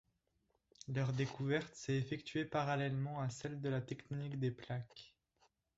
Leur découverte s'est effectuée parallèlement à celle de la tectonique des plaques.